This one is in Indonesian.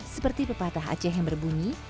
seperti pepatah aceh yang berbunyi